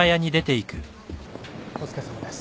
お疲れさまです。